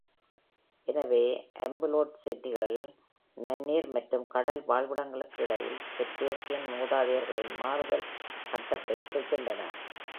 எனவே, ஆம்புலோசெடிட்கள் நன்னீர் மற்றும் கடல் வாழ்விடங்களுக்கு இடையில் செட்டேசியன் மூதாதையர்களின் மாறுதல் கட்டத்தைக் குறிக்கின்றன.